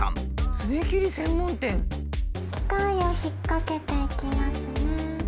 機械を引っ掛けていきますね。